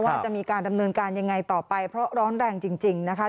ว่าจะมีการดำเนินการยังไงต่อไปเพราะร้อนแรงจริงนะคะ